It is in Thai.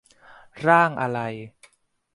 ร่างอะไร ?